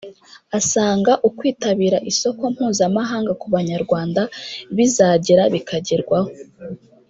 asanga ukwitabira isoko mpuzamahanga ku Banyarwanda bizagera bikagerwaho